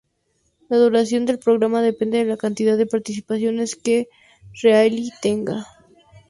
La duración del programa depende de la cantidad de participantes que el reality tenga.